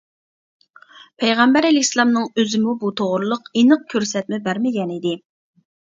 پەيغەمبەر ئەلەيھىسسالامنىڭ ئۆزىمۇ بۇ توغرىلىق ئېنىق كۆرسەتمە بەرمىگەنىدى.